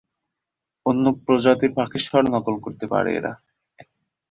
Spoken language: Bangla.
অন্য প্রজাতির পাখির স্বর নকল করতে পারে এরা।